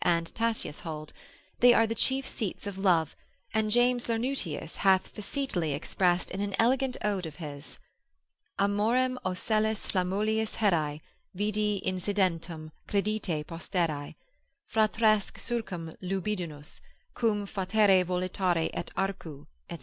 and Tatius hold) they are the chief seats of love, and James Lernutius hath facetely expressed in an elegant ode of his, Amorem ocellis flammeolis herae Vidi insidentem, credite posteri, Fratresque circum ludibundos Cum pharetra volitare et arcu, &c.